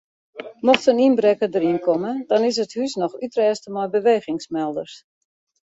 Mocht in ynbrekker deryn komme dan is it hús noch útrêste mei bewegingsmelders.